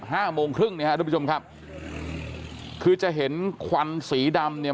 ห้าโมงครึ่งเนี่ยฮะทุกผู้ชมครับคือจะเห็นควันสีดำเนี่ย